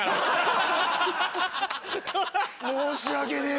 申し訳ねえ。